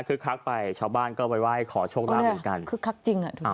คึกคักไปชาวบ้านก็ไว้ไว้ขอโชคลาภเหมือนกันคึกคักจริง